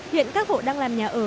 hiện các hộ đang làm nhà ở